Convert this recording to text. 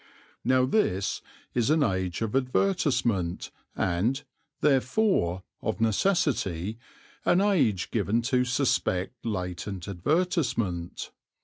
Now this is an age of advertisement and, therefore, of necessity, an age given to suspect latent advertisement.